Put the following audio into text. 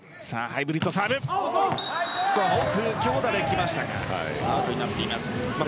奥、強打できましたがアウトになっています。